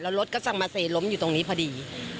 แล้วรถก็สั่งมาเสร็จล้มอยู่ตรงนี้พอดี